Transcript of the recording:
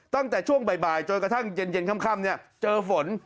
ตั้งแต่ช่วงบ่ายจนกระทั่งเย็นค่ำเจอฝน